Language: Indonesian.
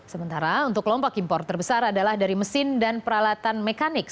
sementara untuk kelompok impor terbesar adalah dari mesin dan peralatan mekanik